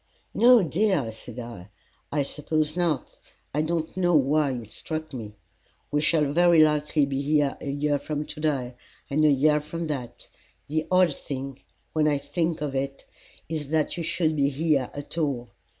"No, dear," said I, "I suppose not. I don't know why it struck me. We shall very likely be here a year from to day, and a year from that. The odd thing, when I think of it, is that you should be here at all.